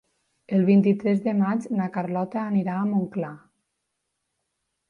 El vint-i-tres de maig na Carlota anirà a Montclar.